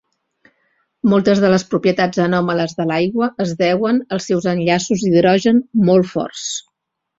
Moltes de les propietats anòmales de l'aigua es deuen als seus enllaços d'hidrogen molt forts.